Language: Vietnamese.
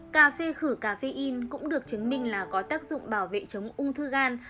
cà phê khử cà phê in cũng được chứng minh là có tác dụng bảo vệ chống ung thư gan